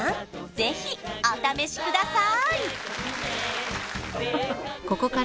ぜひお試しください